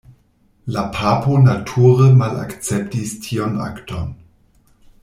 La papo nature malakceptis tiun akton.